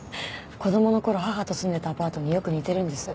子供の頃母と住んでたアパートによく似てるんです。